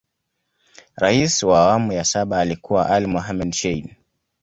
Rais wa awamu ya saba alikuwa Ali Mohamed Shein